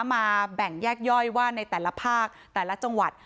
มาแบ่งแยกย่อยว่าในแต่ละภาคแต่ละจังหวัด